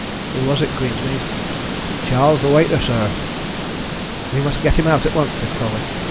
"Who was it, Queensmead?" "Charles, the waiter, sir." "We must get him out at once," said Colwyn.